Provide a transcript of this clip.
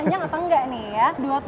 kenyang apa enggak nih ya